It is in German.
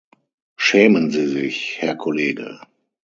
Schämen sie sich, Herr Kollege!